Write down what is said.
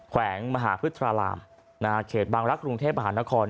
แขวงมหาพฤษฎราหลามเขตบางรักษ์รุงเทพอาหารนคร